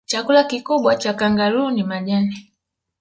chakula kikubwa cha kangaroo ni majani